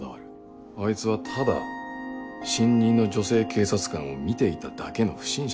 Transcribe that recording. あいつはただ新任の女性警察官を見ていただけの不審者だ。